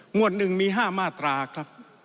หมวดหนึ่งมี๕มาตราครับ